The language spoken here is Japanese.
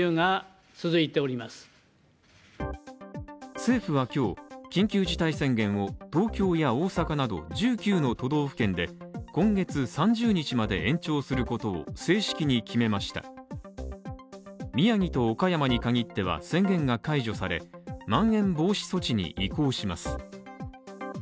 政府は今日緊急事態宣言を東京や大阪など１９の都道府県で今月３０日まで延長することを正式に決めました宮城と岡山に限っては宣言が解除されまん延防止措置に移行します